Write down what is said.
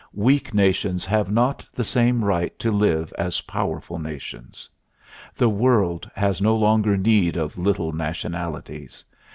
Weak nations have not the same right to live as powerful ... nations. The world has no longer need of little nationalities.